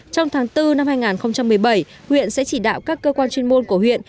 trong tháng bốn năm hai nghìn một mươi bảy huyện sẽ chỉ đạo các cơ quan chuyên môn của huyện